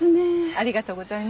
ありがとうございます。